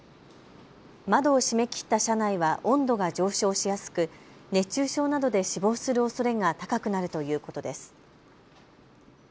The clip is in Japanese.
窓を閉めきった車内は温度が上昇しやすく熱中症などで死亡するおそれが高くなるということです。